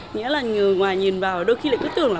nghĩa là nhờ ngoài nhìn vào đôi khi lại cứ tưởng là